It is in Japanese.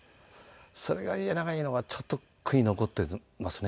それが言えないのがちょっと悔い残ってますね